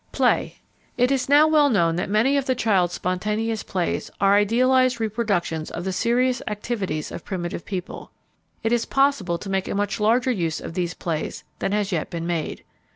Play. It is now well known that many of the child's spontaneous plays are idealized reproductions of the serious activities of primitive people. It is possible to make a much larger use of these plays than has yet been made.